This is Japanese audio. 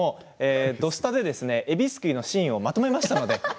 「土スタ」で、えびすくいのシーンをまとめました。